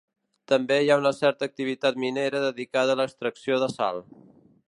També hi ha una certa activitat minera dedicada a l'extracció de sal.